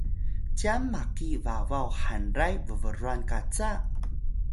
cyan maki babaw hanray bbrwan qaca?